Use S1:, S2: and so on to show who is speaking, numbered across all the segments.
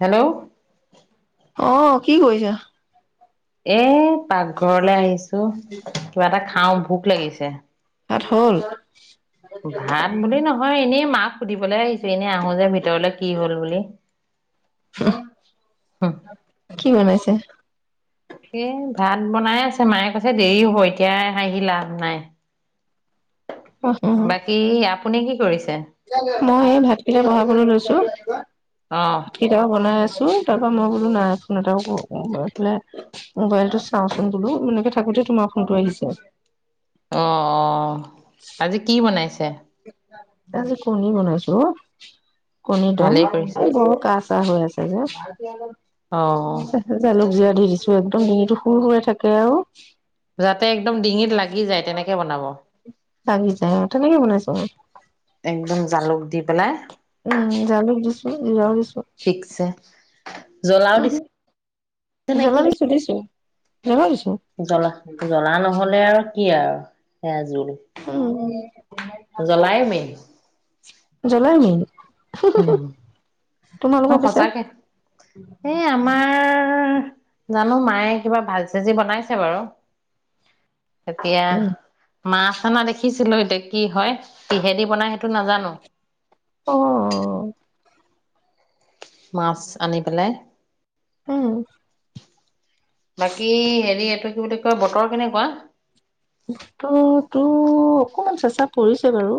S1: Hello
S2: অ কি কৰিছা?
S1: এক পাকঘৰলে আহিছো কিবা এটা খাও ভোক লাগিছে।
S2: ভাত হল
S1: ভাত বুলি নহয় এনেই মাক। ক সুধিবলৈ আহিছো এনেই আহো যে ভিতৰলে কি হল বুলি?
S2: কি বনাই আছে?
S1: এ ভাত বনাই আছে মায়ে কৈছে দেৰি হ'ব এতিয়া আহি লাভ নাই।
S2: অ
S1: বাকি আ আপুনি কি কৰিছে?
S2: মই এই ভাতকেইটা বনাম। বনাবলৈ লৈছো।
S1: অঁ
S2: কিবা বনাই। তাৰ পৰা মই বোলো নাই ফোন এটা এইফে মোবাইলটো চাওচোন বোলো এনেকে থাকোতে তোমাৰ ফোনটো আহিছে।
S1: অ অ আজি কি বনাইছে?
S2: ত যে কণি বনাইছো অঁ কণি দম
S1: ভালেই কৰিছে।
S2: ধৰক কাছ চাহ হৈ আছে যে।
S1: অঁ
S2: জানো জীয়াই দি দিছো একদম ডিঙিটো সুৰ সুৰাই থাকে আৰু।
S1: যাতে একদম ডিঙিত লাগি যায় তেনেকে বনাব।
S2: লাগি যায় তেনেকৈ বনাইছোঁ উম
S1: একদম জালুক দি পেলাই।
S2: উম জালুক দিছো জৰা দিছো
S1: ঠিকছে জ্বলাও
S2: উম,
S1: দিছে
S2: জ্বলা
S1: নেকি?
S2: দিছো দিছো জ্বলা দিছো
S1: জ্বলা জ্বলা নহ'লে লে আৰু কি আৰু সেয়া যোল
S2: উম জ্বলাই মন হে হে হে
S1: নহ সঁচাকে এই আমাৰ জানো মায়ে কিবা ভাজ চাজি বনাইছে বাৰু
S2: উম
S1: এতিয়া মাছ অনা দেখিছিলো এতিয়া কি হয় কিহেদি বনাই সেইটো নাজানো
S2: আহ
S1: মাছ আনি পেলাই
S2: উম
S1: বাকী হেৰি এইটো কি বুলি কয় বতৰ কেনেকুৱা
S2: বতৰ তো অকমান চেচা পৰিছে বাৰু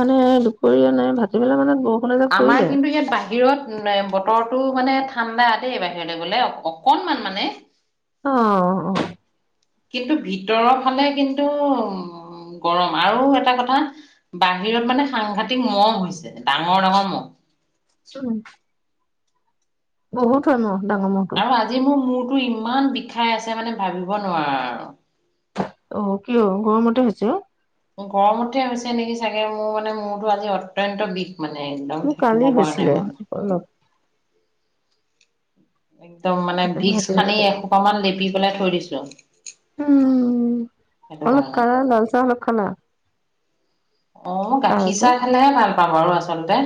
S2: মানে দুপৰীয়া নাই ভতি পেলাই মানে ব
S1: আমাৰ কিন্তু ইয়াত বাহিৰত বতৰটো মানে ঠাণ্ডা দেই বাহিৰলৈ গলে অকনমান মানে
S2: অ অ
S1: কিন্তু ভিতৰৰ ফালে কিন্তু উ গৰম আৰু এটা কথা বাহিৰত মানে সাংঘাতিক মহ হৈছে ডাঙৰ ডাঙৰ মহ
S2: চোন [unintelligible] বহুত হয় মহ ডাঙৰ মহটো
S1: আজি মোৰ মূৰ তো ইমান বিষাই আছে মানে ভাবিব নোৱাৰা আৰু
S2: অ কিয় গৰমতে হৈছে।
S1: গৰমতে হৈছে নেকি চাগে মোৰ মানে মূৰতো আজি অত্যন্ত বিষ মানে একদম
S2: মোৰ
S1: থাকিব
S2: কালি
S1: পৰা নাই
S2: হৈছিলে
S1: মই।
S2: অলপ
S1: একদম মানে ভিক্স
S2: ভাটিবেলা
S1: সানি
S2: টাইমত
S1: এসোপ মান লেপি পেলাই থৈ দিছো। যা
S2: উম অলপ কানা লাল চাহ অলপ খানা [unintelligible]
S1: অ গাখীৰ চাহ খালা নাই। পাবাৰু আচলতে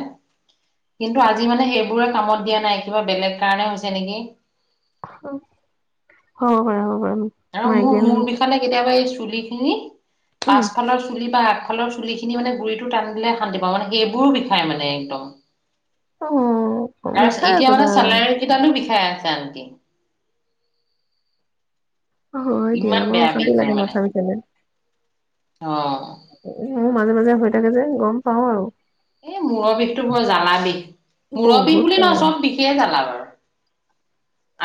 S1: কিন্তু আজি মানে সেইবোৰে কামত দিয়া নাই কিবা বেলেগ কাৰণে হৈছে নেকি।
S2: হ হয় অ
S1: আৰু মোৰ মোৰ বিষয়ে লৈ কিবা কৈছে। চুলিখিনি
S2: উম
S1: পাছফালৰ চুলি [unintelligible] বা আঠ ফালৰ চুলি খিনি মানে গুৰিতটো টান দিলে শান্তি পাওঁ মানে সেইবোৰো বিষাই মানে একদম
S2: অ
S1: আৰু
S2: বিষাই
S1: এতিয়া মানে
S2: কিবা
S1: চেলাউৰি কেইটানো বিষাই আছে। শান্তি
S2: হয় দিয়া বৰ অশান্তি
S1: হয়
S2: লাগে
S1: মানে
S2: মাথা বিষালে
S1: অ',
S2: মোৰ মাজে মাজে হৈ থাকে যে গম পাওঁ আৰু।
S1: এই মূৰৰ বিষটো ব জ্বালা দেই মূৰৰ বিষ
S2: বহুত
S1: বুলি নহয়।
S2: জেগা
S1: চব বিষেই জ্বালা বাৰু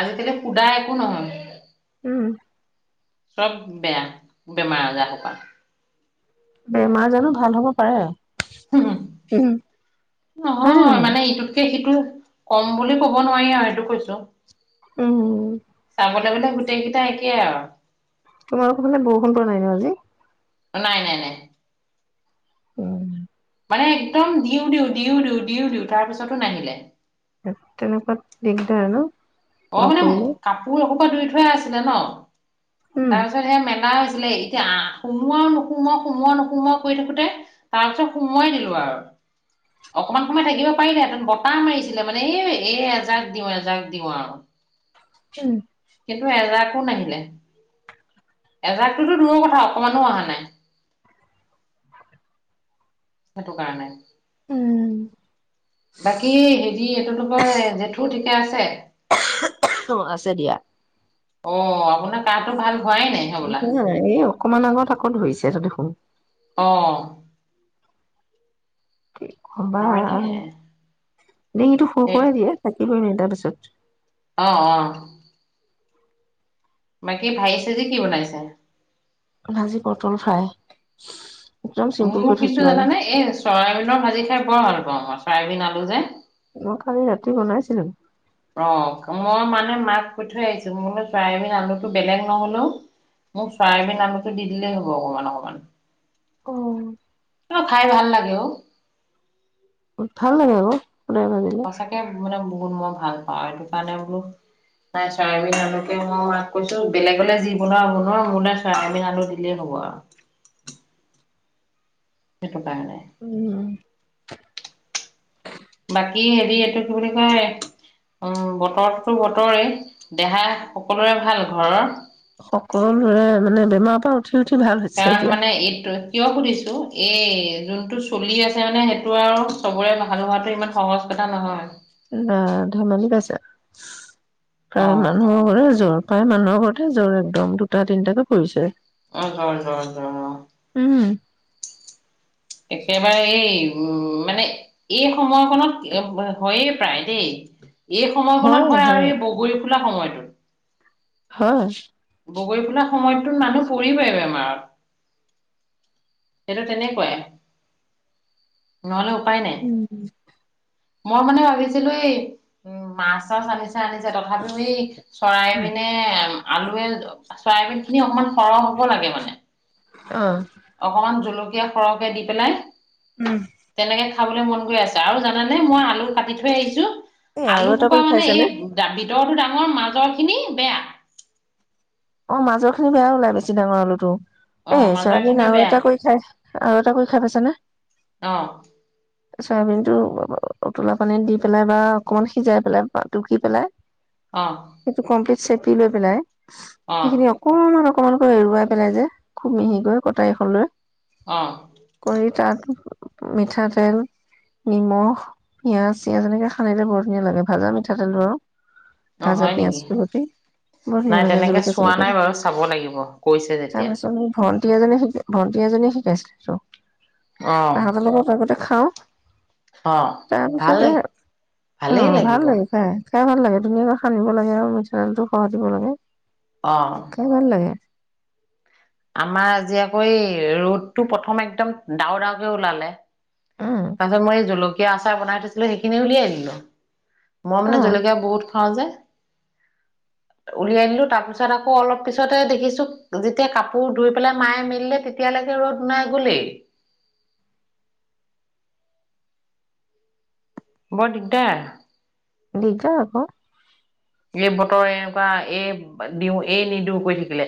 S1: আজি কালি সূদা একো নহয়।
S2: উম
S1: চব বেয়া বেমাৰ আজাৰ সোপা।
S2: বেমাৰ জানো ভাল হ'ব পাৰে।
S1: উম নহয় মানে ইটোতকে সিটো কম বুলি ক'ব নোৱাৰি আৰু এইটো কৈছো।
S2: উম
S1: গোটেই মানে গোটেইকেইটা একেই আৰু।
S2: তোমালোকৰ পিনে বৰষুণ পৰা নাই ন আজি।
S1: নাই নাই -নাই
S2: উম [inaudible]
S1: মানে একদম দিওঁ দিওঁ দিও দিওঁ দিওঁ তাৰ পিছতো নাহিলে।
S2: তেনেকুৱাত দিগদাৰ ন।
S1: [unintelligible]
S2: নপৰিলে
S1: ধুই থুৱাই আছিলে ন।
S2: উম
S1: তাৰপিছত সেয়া মেলা হৈছে ছিলে এতিয়া আহ সোমোৱাও নোসুমোৱাও সোমোৱা নোসোমোৱা কৰি থাকোতে তাৰ পিছত সোমোৱাই দিলো আৰু। অকমান সময় থাকিব পাৰিলেহেতেন ব পাল মাৰিছিলে মানে এই এ এজাক দিওঁ এজাক দিওঁ আৰু।
S2: [unintelligible]
S1: [unintelligible] নাহিলে এজাকটোতো দূৰৰ কথা অকমানো অহা নাই। সেটো কাৰণে।
S2: উম।
S1: বাকী হেৰি এইটোতো বাৰু জেঠু আছে।
S2: অ আছে দিয়া।
S1: অ আপোনাৰ কাহটো ভাল হোৱাই নাই হবলা
S2: এই অকমান আগত আকৌ ধৰিছে দেখো [unintelligible]
S1: অহ।
S2: কি কবা আৰু
S1: দে
S2: ডিঙিটো সুৰ
S1: এ
S2: কৰাই দিয়ে তাৰপিছত
S1: অ অ বাকী ভাজ চাজি কি বনাইছা।
S2: ভাজি পটল ফ্ৰাই। একদম চিম্পুলকৈ
S1: মোৰ
S2: থৈছো
S1: কিন্তু
S2: আৰু
S1: জানে নে এই চয়াবিনৰ ভাজি খাই বৰ ভাল চয়াবীন আলু যে।
S2: মই কালি ৰাতি বনাইছিলো।
S1: অ মই মানে মাক কৈ থৈ আহিছো। বোলো চয়াবিন আলুটো বেলেগ নহলেও মোক চয়াবিন আলুটো দি দিলেই হ'ব অকমান অকমান।
S2: অঁ।
S1: কিন্তু খাই ভাল লাগে অ
S2: ভাল লাগে অঁ।
S1: সঁচাকে মানে বহুত মই ভাল পাওঁ সেইটো কাৰণে বোলো নাই চয়াবিন আলুকে মই মাক কৈছো বেলেগ বেলেগ যি বনোৱা বনোৱা। মোলে চয়াবিন আলু দিলেই হ'ব আৰু। সেইটো কাৰণে।
S2: উম।
S1: বাকী হেৰি এইটো কি বুলি কয় উ বতৰটো বতৰেই। দেহা সকলোৰে ভাল ঘৰৰ?
S2: সকলোৰে মানে বেমাৰ পা
S1: কাৰণ মানে এইটো কিয় সুধিছো এই যোনটো চলি আছে মানে সেইটো আৰু চবৰে ভাল হোৱাটো ইমান সহজ কথা নহয়।
S2: বা ধেমালি পাইছে।
S1: অ
S2: প্ৰায়
S1: অ
S2: মানুহৰে জ্বৰ। প্ৰায় মানুহৰ ঘৰত জ্বৰ একদম দুটা তিনটাকে পৰিছে।
S1: অ জ্বৰ জ্বৰ জ্বৰ অ।
S2: উম
S1: একেবাৰে এই উম মানে এই সময়খনত হয়েই প্ৰায় দেই। এই সময়খনত হয় আৰু এই বগৰী ফুলা সময়টোত।
S2: হয়।
S1: বগৰী ফুলা সময়টোত মানুহ পৰিবই বেমাৰত। সেইটো তেনেকুৱাই। নহ'লে উপায় নাই
S2: উম।
S1: মই মানে ভাবিছিলো এই উ - মাছ চাছ আনিছিল আনিছে তথাপিও এই চৰাই বিনে [unintelligible] [unintelligible] চয়াবিন খিনি অকমান সৰহ হ'ব লাগে মানে। অকমান জলকীয়া। কীয়া সৰহকে দি পেলাই
S2: উম
S1: তেনেকে খাবলৈ মন গৈ আছে আৰু জানেনে মই আলু কাটি থৈ আহিছো।
S2: এই আৰু
S1: আলু
S2: এটা
S1: সোপা
S2: কৰি
S1: মানে এই
S2: খাইছানে
S1: দাবিত ভিতৰৰ টো ডাঙৰ মাজৰ খিনি বেয়া।
S2: অ মাজৰ খিনি বেয়া ওলাই বেছি ডাঙৰ আলু তো।
S1: অ
S2: এ
S1: মাজৰ
S2: চয়াবিন
S1: খিনি
S2: আৰু
S1: বেয়া
S2: এটা কৰি খাই আৰু এটা কৰি খাই পাইছে নে?
S1: অ
S2: চয়াবিন টো উতলা পানীত দি পেলাই বা অকমান সিজাই পেলাই টুকি পেলাই
S1: অ
S2: সেইটো কম [unintelligible] চেপি লৈ পেলাই
S1: অ
S2: সেইখিনি অকণমান অকণমানকৈ এৰুৱাই পেলাই যে খুব মিহিকৈ কটাৰীখন লৈ
S1: অ
S2: কৰি তাত মিঠাতেল নিমখ পিয়াজ চিয়াজ এনেকে সানিলে বৰ ধুনীয়া লাগে ভাজা মিঠাতেল ধৰ।
S1: অ
S2: ভাজা
S1: হয় নেকি
S2: পিয়াজটো গঢ়ি বঢ়িয়া
S1: নাই
S2: লাগে
S1: তেনেকে
S2: জলকীয়া।
S1: চোৱা
S2: চলকীয়া দি।
S1: নাই বাৰু চাব লাগিব কৈছে যেতিয়া
S2: ভণ্টি এজনে শিক ভণ্টি এজীয়ে শিকাইছিলে তো
S1: অ
S2: তাহাতৰ লগত আগতে খাওঁ
S1: অ
S2: তাৰপিছতে
S1: ভাল
S2: অ
S1: ভালেই
S2: ভাল
S1: লাগিব
S2: লাগিছে খাই ভাল লাগে ধুনীয়াকৈ সানিব লাগে আৰু মিঠাতেলটো হৰকেদিব লাগে।
S1: অ
S2: খাই ভাল লাগে
S1: আমাৰ আজি আকৌ এ ৰ'দটো প্ৰথম একদম ডাঙৰ ডাঙৰকৈ ওলালে
S2: উম,
S1: তাৰ পিছত মই এই জলকীয়া আচাৰ বনাই থৈছিলো সেইখিনি উলিয়াই দিলো মই মানে
S2: অ'
S1: জলকীয়া বহুত খাও যে উলিয়াই দিলো তাৰপিছত আকৌ অলপ পিছতে দেখিছো যেতিয়া কাপোৰ ধুই পেলাই মায়ে মেলিলে তেতিয়ালৈকে ৰ'দ নাই গলেই বৰ দিগদাৰ
S2: দিগদাৰ আকৌ।
S1: এই বতৰ এনেকুৱা এই দিওঁ এই নিদিও কৈ থাকিলে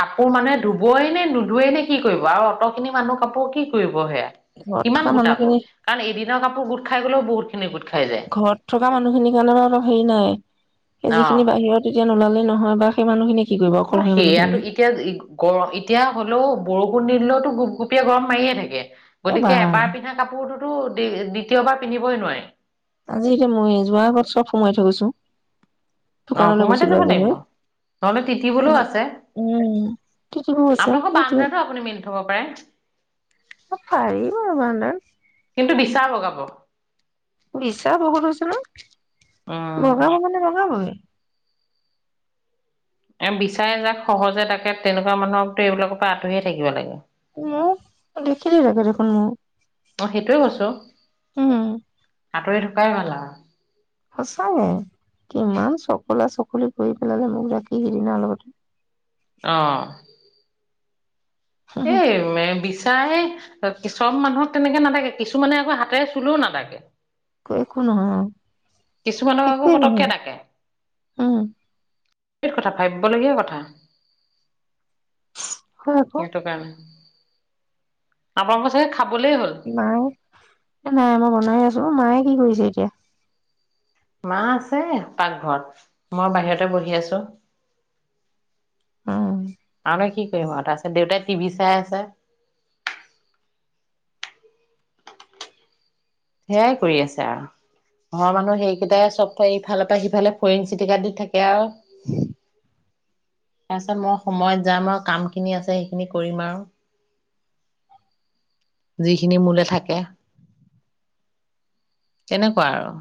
S1: কাপোৰ মানুহে ধুবই নে নোধু এ নে কি কৰিব আৰু অত খিনি মানুহ কাপোৰ কি কৰিব সেয়া
S2: ঘৰত
S1: কিমান
S2: থকা
S1: গোটাব
S2: মানুহখিনি
S1: কাৰণ এদিনৰ কাপোৰ গোট খাই গ'লেও বহুত নে [unintelligible]
S2: ঘৰত থকা মানুহখিনিৰ কাৰণে বাৰু হেৰি নাই সেই
S1: অ
S2: যিখিনি বাহিৰত এতিয়া নোলালে নহয় বাৰু সেই মানুহখিনি
S1: অ সেয়াটো এতিয়া গৰম এতিয়া হ'লেও বৰষুণ নিদিলেও তো গুপ গুপীয়া গৰম মাৰিয়ে থাকে
S2: এ বা
S1: গতিকে এবাৰ পিন্ধা কাপোৰটোতো দ্বিতীয়বাৰ পিন্ধিবই নোৱাৰি।
S2: থইছোঁ
S1: অ
S2: দোকানলৈ
S1: সময়তে
S2: গৈছিলো
S1: যাব
S2: আজি
S1: লাগিব
S2: মই
S1: নহলে তিতিবলৈও আছে
S2: উম সটো আছে সেইটো
S1: হ'ব পাৰে।
S2: আ পাৰিব মাদাৰ
S1: কিন্তু বিচা বগাব
S2: বিছা বহুত হৈছে ন
S1: উম
S2: বগাব মানে বগাবই
S1: এ বিচায়ে যাক সহজে তাকে তেনেকুৱা মানুহকতো এইবিলাকৰ পৰা আঁতৰিয়ে থাকিব লাগে।
S2: মোৰ দেখিলেই লাগে দেখোন মোৰ
S1: অ
S2: উম
S1: আতৰি থকাই ভাল আ
S2: সচাগে কিমান চকলা চকলি কৰি পেলালে মোক ৰাখি সেইদিনা লগতে
S1: আহ এ ম বিশ চাই চব মানুহক তেনেকে নাথাকে কিছুমানে আকৌ হাতেৰে চুলো নাদাকে
S2: একো নহয়
S1: কিছুমানক আকৌ
S2: একোৱেই
S1: পতককে
S2: নহয়
S1: দাকে
S2: উম
S1: কথা ভাবিবলগীয়া কথা।
S2: হয় আকৌ
S1: এটো কাৰনে আগ আছে
S2: মায়ে নাই মই বনাই আছো মায়ে। কি কৰিছে এতিয়া?
S1: মা আছে পাকঘৰত মই বাহিৰতে বহি আছো।
S2: উ
S1: কি কৰিম আৰু তাৰ আছে দেউতাই টিভি চাই আছে। সেইয়াই কৰি আছে আৰু ঘৰৰ মানুহ সেইকেইটাই চব ইফালৰ পৰা সিফালে ফৰিং চিটিকা দি থাকে আৰু তাৰপিছত মই সময়ত যাম আৰু কাম খিনি আছে। সেইখিনি কৰিম আৰু যিখিনি মোলে থাকে। তেনেকুৱা আৰু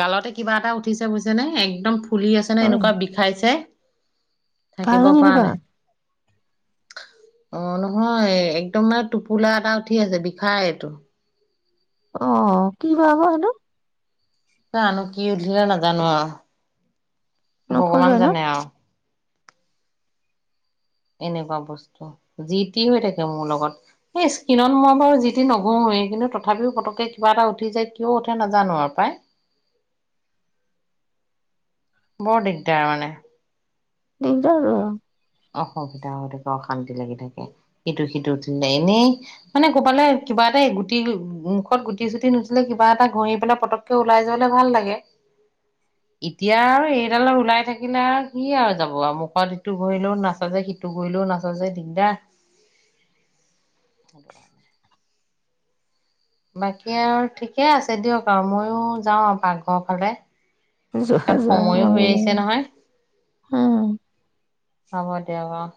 S1: গালতে কিবা এটা উঠিছে বুইছে নে একদম। ফুলি আছে নে এনেকুৱা বিষাইছে। থাকিব
S2: ভাঙি
S1: পৰা
S2: নিদিবা
S1: নাই। অ' নহয় একদম মান টোপোলা এটা উঠি আছে বিষাই এইটো।
S2: অ' কি বা হয় সেইটো
S1: জানো কি উঠিলে নাজানো আৰু
S2: নোখোজোৱে
S1: ভগৱান
S2: ন
S1: জানে আও এনেকুৱা বস্তু জি টি হৈ থাকে মোৰ লগত। এই স্কিনত মই বাৰু যি টি নঘহুৱেই কিন্তু তথাপিও পতককে কিবা এটা উঠি যায়। কিয় উঠে নাজানো আৰু পাই বৰ দিগদাৰ মানে।
S2: দিকদাৰ আও।
S1: অখুবিধা হলে অশান্তি লাগি থাকে সিটো সিটো উঠিলে এনেই মানে কবালে কিবা এটা গুটি মুখত গুটি চুটি নুঠিলে কিবা এটা ঘঁহি পেলাই পটককে ওলাই যাবলে ভাল লাগে এতিয়া আৰু এইডালৰ ওলাই থাকিলে আৰু কি আৰু যাব আৰু মুখত সিটো ঘঁহ ও নাচাযে সিটো গলেও নাচাযে দিগদাৰ। বাকী আৰু ঠিকে আছে দিয়ক আৰু মই যাওঁ আৰু পাকঘৰ ফালে।
S2: যোৱা
S1: কাৰণ
S2: যোৱা
S1: সময়ো
S2: মন
S1: হৈ
S2: যায়।
S1: আহিছে নহয়
S2: উম
S1: হ'ব দিয়া। বাও